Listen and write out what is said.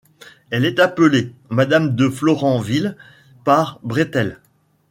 Elle est appelée 'Madame de Florenville' par Bretel.